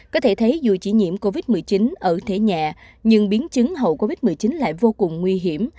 có thể thấy dù chỉ nhiễm covid một mươi chín ở thế nhẹ nhưng biến chứng hậu covid một mươi chín lại vô cùng nguy hiểm